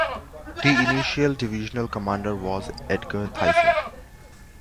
The initial divisional commander was Edgar Theisen.